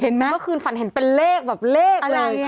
แล้วเมื่อคืนฝันเห็นเป็นเลขแบบเลข